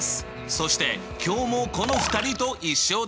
そして今日もこの２人と一緒だよ。